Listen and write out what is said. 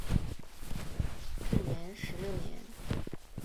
至元十六年。